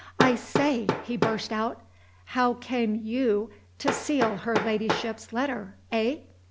"I say," he burst out. "How came you to seal her Ladyship's letter eh?"